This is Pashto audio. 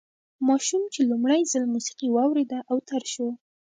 ماشوم چې لومړی ځل موسیقي واورېده اوتر شو